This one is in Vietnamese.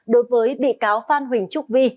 đối với bị cáo phan huỳnh trúc vi